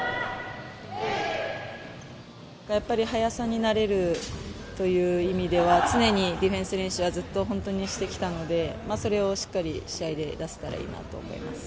速さに慣れるという意味では常にディフェンス練習はずっとしてきたのでそれをしっかり試合で出せたらいいなと思います。